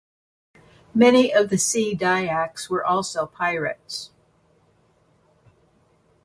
Many of the sea dayaks were also pirates.